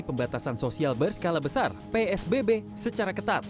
pembatasan sosial berskala besar psbb secara ketat